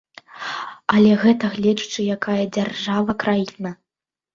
Але гэта гледзячы якая дзяржава-краіна.